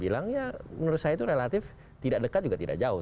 tapi kalau yang dibilang ya menurut saya itu relatif tidak dekat juga tidak jauh